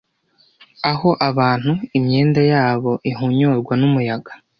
aho abantu imyenda yabo ihonyorwa n'umuyaga